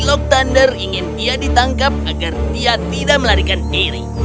shiloh tundra ingin dia ditangkap agar dia tidak melarikan diri